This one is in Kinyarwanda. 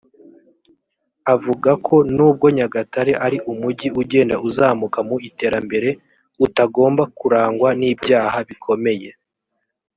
Avuga ko nubwo Nyagatare ari umujyi ugenda uzamuka mu iterambere utagomba kurangwa n’ibyaha bikomeye